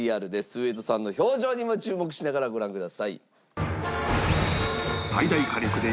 上戸さんの表情にも注目しながらご覧ください。